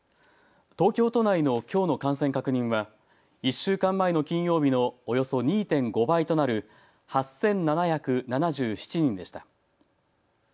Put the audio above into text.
東京都内のきょうの感染確認は１週間前の金曜日のおよそ２．５倍となる８７７７人でした。